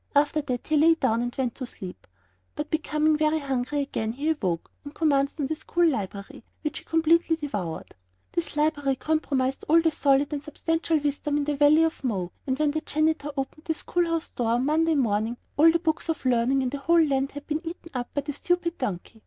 After that he lay down and went to sleep; but becoming hungry again he awoke and commenced on the school library, which he completely devoured. This library comprised all the solid and substantial wisdom in the Valley of Mo, and when the janitor opened the school house door on Monday morning, all the books of learning in the whole land had been eaten up by the stupid donkey.